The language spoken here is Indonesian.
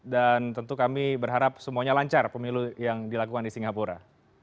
dan tentu kami berharap semuanya lancar pemilu yang dilakukan di singapura